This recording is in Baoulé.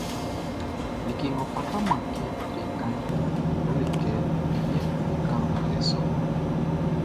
Like ngʼɔ fataman kɛ be kanʼn yɛle kɛ be yɛ be kan ndɛ sɔʼn niɔn.